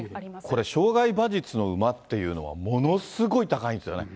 これ、障害馬術の馬というのは、ものすごい高いんですよね。